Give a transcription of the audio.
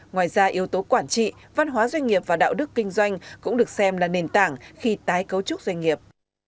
ngoài ra yếu tố quản trị văn hóa doanh nghiệp và đạo đức kinh doanh cũng được xem là nền tảng khi tái cấu trúc doanh nghiệp